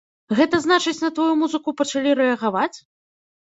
Гэта значыць, на тваю музыку пачалі рэагаваць?